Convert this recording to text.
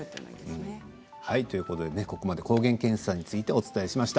ここまで抗原検査についてお伝えしました。